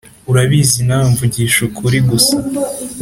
Urabizi nawe mvugisha ukuri gusa